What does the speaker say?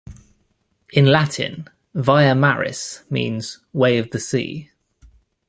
In Latin, "Via Maris" means "way of the sea.